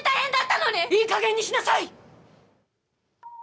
いいかげんにしなさい！